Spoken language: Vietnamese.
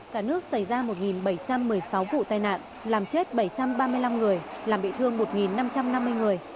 cả nước xảy ra một bảy trăm một mươi sáu vụ tai nạn làm chết bảy trăm ba mươi năm người làm bị thương một năm trăm năm mươi người